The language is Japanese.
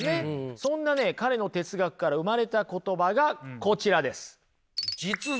そんなね彼の哲学から生まれた言葉がこちらです。